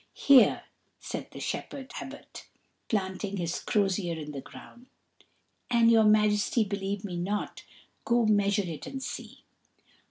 "Here," said the shepherd Abbot, planting his crozier in the ground; "an' your Majesty believe me not, go measure it and see."